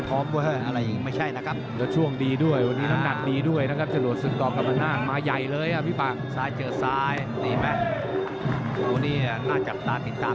เท้ากำโขงนี่ก็ไม่ธรรมดานะ